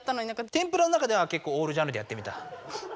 天ぷらの中ではけっこうオールジャンルでやってみた。